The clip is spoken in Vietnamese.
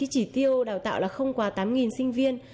chỉ tiêu đào tạo là không quá tám sinh viên